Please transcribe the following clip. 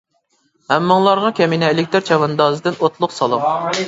ھەممىڭلارغا كەمىنە ئېلېكتىر چەۋەندازدىن ئوتلۇق سالام!